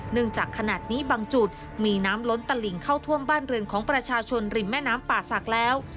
จากขนาดนี้บางจุดมีน้ำล้นตลิงเข้าท่วมบ้านเรือนของประชาชนริมแม่น้ำป่าศักดิ์แล้ว